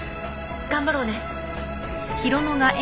頑張ろうね。